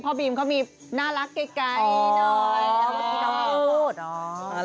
พ่อบีมเขามีน่ารักไกล